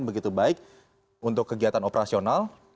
begitu baik untuk kegiatan operasional